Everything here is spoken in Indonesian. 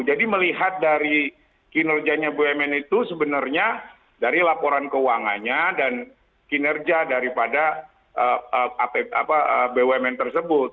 melihat dari kinerjanya bumn itu sebenarnya dari laporan keuangannya dan kinerja daripada bumn tersebut